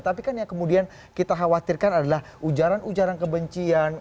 tapi kan yang kemudian kita khawatirkan adalah ujaran ujaran kebencian